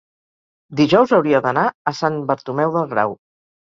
dijous hauria d'anar a Sant Bartomeu del Grau.